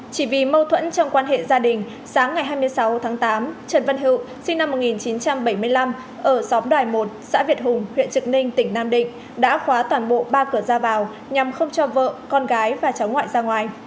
chỉ vì mâu thuẫn trong quan hệ gia đình sáng ngày hai mươi sáu tháng tám trần văn hữu sinh năm một nghìn chín trăm bảy mươi năm ở xóm đoài một xã việt hùng huyện trực ninh tỉnh nam định đã khóa toàn bộ ba cửa ra vào nhằm không cho vợ con gái và cháu ngoại ra ngoài